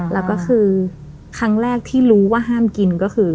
แล้วก็คือครั้งแรกที่รู้ว่าห้ามกินก็คือ